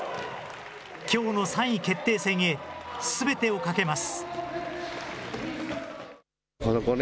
きょうの３位決定戦へ、すべてを懸けます。